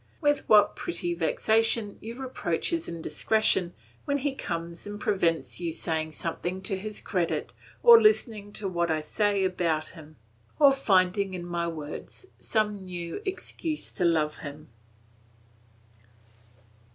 With what pretty vexation you reproach his indiscretion when he comes and prevents you saying something to his credit, or listening to what I say about him, or finding in my words some new excuse to love him!